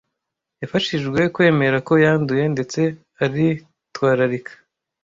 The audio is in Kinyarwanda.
Yafashijwe kwemera ko yanduye ndetse ari twararika